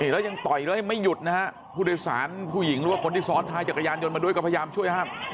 แล้วยังต่อยแล้วยังไม่หยุดนะฮะผู้โดยสารผู้หญิงหรือว่าคนที่ซ้อนท้ายจักรยานยนต์มาด้วยก็พยายามช่วยห้าม